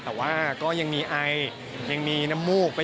แต่ว่าก็ยังมีไอยังมีน้ำมูก